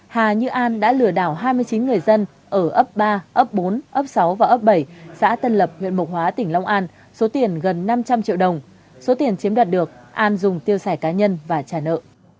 hà như an đã lừa đảo hai mươi chín người dân ở ấp ba ấp bốn ấp sáu và ấp bảy xã tân lập huyện mộc hóa tỉnh long an số tiền gần năm trăm linh triệu đồng số tiền chiếm đoạt được an dùng tiêu sẻ cá nhân và trả nợ